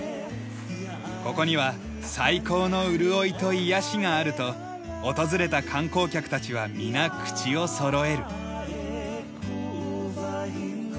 ここには最高の潤いと癒やしがあると訪れた観光客たちは皆口をそろえる。